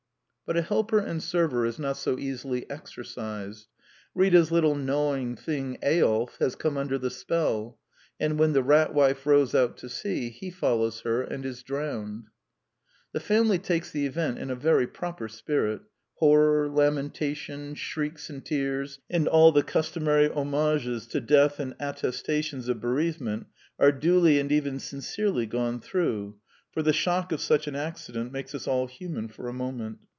But a helper and server is not so easily exorcized. Rita's little gnawing thing, Eyolf, has come under the spell; and when the Rat Wife rows out to sea, he follows her and is drowned. The family takes the event in a very proper spirit Horror, lamentation, shrieks and tears, and all the customary homages to death and at testations of bereavement are duly and even sin cerely gone through; for the shock of such an accident makes us all human for a moment.